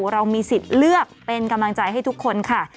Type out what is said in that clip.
เรามีสิทธิ์เลือกเป็นกำลังใจให้ทุกคนค่ะ